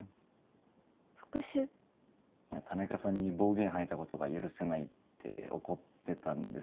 田中さんに暴言吐いたことが許せないって怒ってたんです。